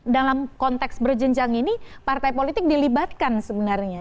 dalam konteks berjenjang ini partai politik dilibatkan sebenarnya